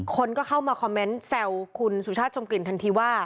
คนก็เข้ามาคอมเมนต์แซวคุณสุชาติชมกลิ่นทันทีว่า